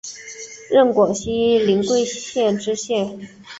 任广西临桂县知县。